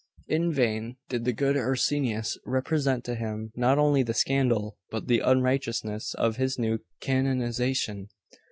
In vain did the good Arsenius represent to him not only the scandal but the unrighteousness of his new canonisation.